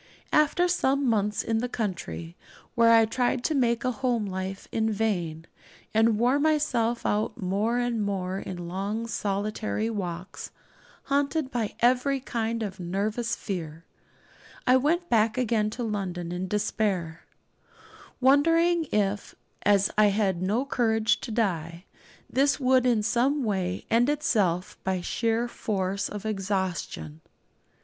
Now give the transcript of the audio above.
After some months in the country, where I tried to make a home life in vain, and wore myself out more and more in long solitary walks, haunted by every kind of nervous fear, I went back again to London in despair, wondering if, as I had no courage to die, this would not in some way end itself by sheer force of exhaustion.